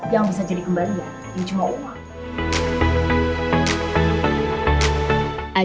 yang bisa jadi kembalian ini cuma uang